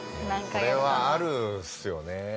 これはあるんですよね。